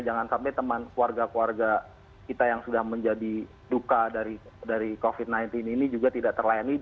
jangan sampai teman keluarga keluarga kita yang sudah menjadi duka dari covid sembilan belas ini juga tidak terlayani